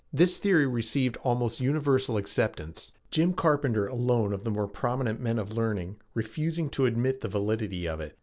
This theory received almost universal acceptance, Jim Carpenter alone of the more prominent men of learning refusing to admit the validity of it.